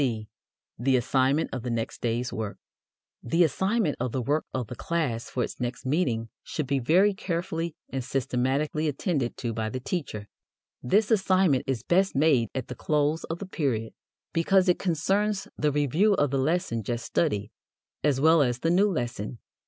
(c) The Assignment of the Next Day's Work. The assignment of the work of the class for its next meeting should be very carefully and systematically attended to by the teacher. This assignment is best made at the close of the period because it concerns the review of the lesson just studied, as well as the new lesson.